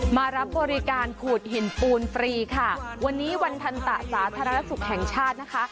มารับบริการขูดหินปูนฟรีค่ะวันนี้วันทันตะสาธารณสุขแห่งชาตินะคะ